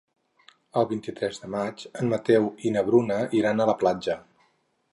El vint-i-tres de maig en Mateu i na Bruna iran a la platja.